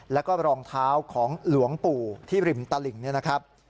แล้วก็รองเท้าของหลวงปู่ที่ริมตลิ่งเนี่ยนะครับ